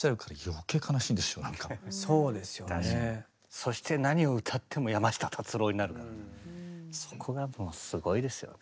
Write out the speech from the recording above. そして何を歌っても山下達郎になるからそこがもうすごいですよね。